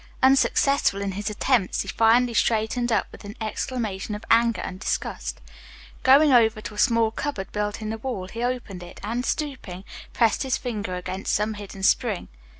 Unsuccessful in his attempts, he finally straightened up with an exclamation of anger and disgust. Going over to a small cupboard built in the wall, he opened it, and, stooping, pressed his finger against some hidden spring.